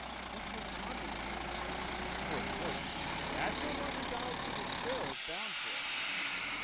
What goes on in hell? For of course that's where one who dies in despair is bound for."